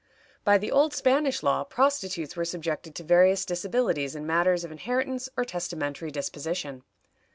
By the old Spanish law prostitutes were subjected to various disabilities in matters of inheritance or testamentary disposition.